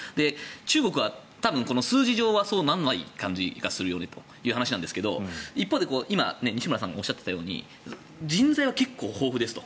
中国は多分、数字上はそうならない感じがするよねという話なんですが一方で西村さんがおっしゃったように人材は結構豊富ですと。